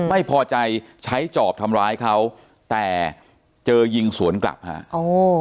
ไม่พอใจใช้จอบทำร้ายเขาแต่เจอยิงสวนกลับฮะโอ้